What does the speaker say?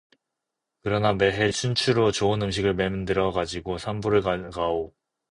그러나 매해 춘추로 좋은 음식을 맨 들어 가지고 산보를 가오.